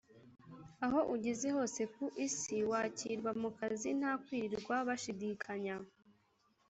aho ugeze hose ku Isi wakirwa mu kazi nta kwirirwa bashidikanya